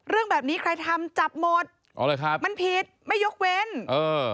เรื่องแบบนี้ใครทำจับหมดอ๋อเลยครับมันผิดไม่ยกเว้นเออ